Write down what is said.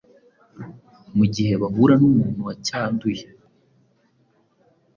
mu gihe bahura n’umuntu wacyanduye.